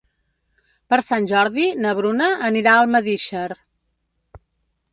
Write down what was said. Per Sant Jordi na Bruna anirà a Almedíxer.